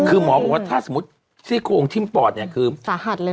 คือหมอบอกว่าถ้าสมมุติซี่โครงทิ้มปอดเนี่ยคือสาหัสเลย